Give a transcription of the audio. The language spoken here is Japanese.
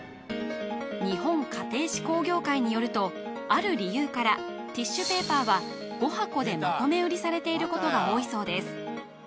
日本家庭紙工業会によるとある理由からティッシュペーパーは５箱でまとめ売りされていることが多いそうです